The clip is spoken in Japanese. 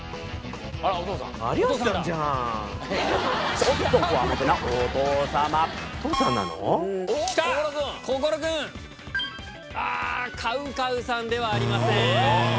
ピンポン ＣＯＷＣＯＷ さんではありません。